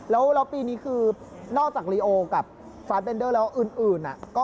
แล้วปีนี้คือนอกจากลีโอกับฟาร์ดเดนเดอร์แล้วอื่น